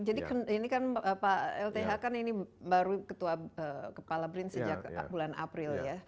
jadi ini kan pak lth kan ini baru ketua kepala brin sejak bulan april ya